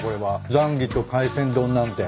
ザンギと海鮮丼なんて。